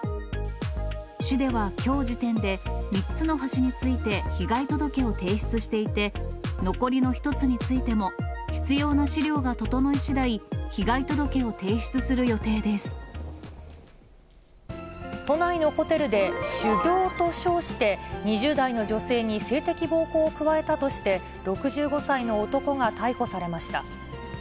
市ではきょう時点で、３つの橋について被害届を提出していて、残りの１つについても必要な資料が整い次第、被害届を提出する予都内のホテルで修業と称して、２０代の女性に性的暴行を加えたとして、６５歳の男が逮捕されました。